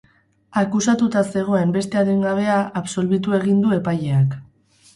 Akusatuta zegoen beste adingabea absolbitu egin du epaileak.